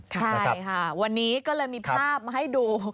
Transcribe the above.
ใช่ค่ะวันนี้ก็เลยมีภาพมาให้ดู